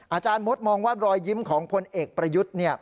อาจารย์มดมองว่ารอยยิ้มของพลเอกประยุทธ์